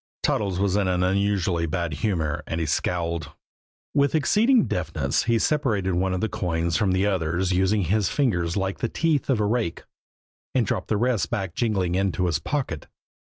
Toddles was in an unusually bad humor, and he scowled. With exceeding deftness he separated one of the coins from the others, using his fingers like the teeth of a rake, and dropped the rest back jingling into his pocket.